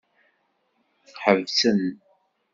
Ḥebsen.